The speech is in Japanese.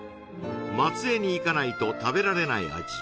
松江に行かないと食べられない味